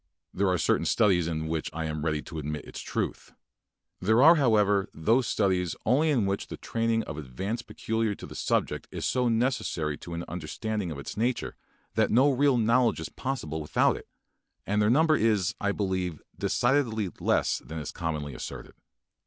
There are certain studies in which I am ready to admit its truth. They are, however, those studies only in which training in the method of advance peculiar to the given subject is so necessary to an understanding of its nature that no real knowledge is possible without it, and their number is, I believe, decidedly less than is commonly asserted.